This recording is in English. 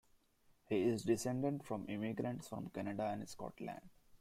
He is descended from immigrants from Canada and Scotland.